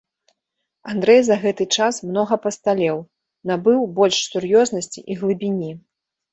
Андрэй за гэты час многа пасталеў, набыў больш сур'ёзнасці і глыбіні.